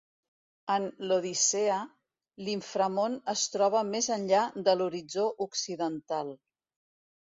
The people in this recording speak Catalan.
En l'Odissea, l'Inframón es troba més enllà de l'horitzó occidental.